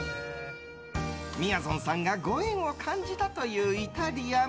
みやぞんさんがご縁を感じたというイタリアン。